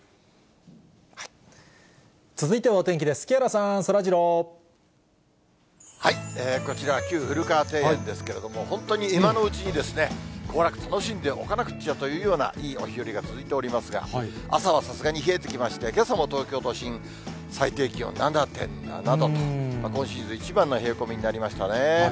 そんなこんなで、こちら、旧古川庭園ですけれども、本当に今のうちに、行楽楽しんでおかなくっちゃっていうようないいお日和が続いておりますが、朝はさすがに冷えできまして、きょうも東京都心、最低気温７．７度と、今シーズンで一番の冷え込みとなりましたね。